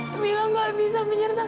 kamila nggak bisa menyertakan ibu